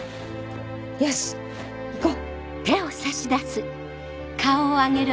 よし行こう！